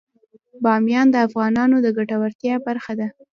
بامیان د افغانانو د ګټورتیا برخه ده.